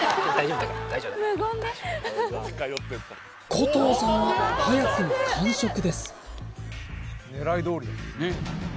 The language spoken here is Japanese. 古藤さんは早くも完食です